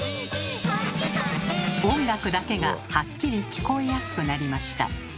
音楽だけがはっきり聞こえやすくなりました。